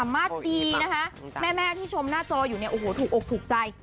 แม่ที่ชมหน้าจออยู่เนี่ยโอ้โหถูกอกถูกใจ